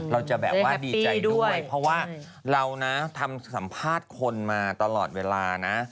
เราจะแบบว่าดีใจด้วยเพราะว่าเรานะทำสัมภาษณ์คนมาตลอดเวลานะ